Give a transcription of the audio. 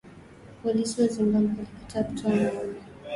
Polisi wa Zimbabwe walikataa kutoa maoni